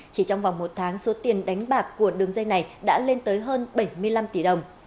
chỉ trong vòng một tháng số tiền đánh bạc của đường dây này đã lên tới hơn bảy mươi năm tỷ đồng